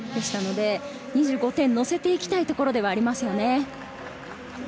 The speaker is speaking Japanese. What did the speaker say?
２５点に乗せていきたいところではありますね。